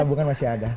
tabungan masih ada